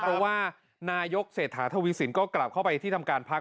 เพราะว่านายกเศรษฐาทวีสินก็กลับเข้าไปที่ทำการพัก